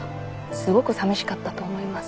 すごくさみしかったと思います。